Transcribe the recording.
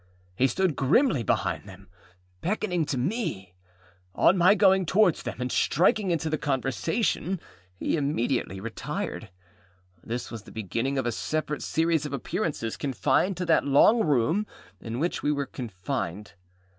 He stood grimly behind them, beckoning to me. On my going towards them, and striking into the conversation, he immediately retired. This was the beginning of a separate series of appearances, confined to that long room in which we were confined.